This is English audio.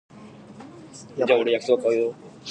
Nothing is known of the birth, later life, or death of Saban.